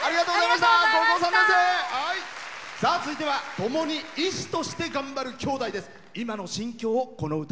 続いてはともに医師として頑張る兄弟です。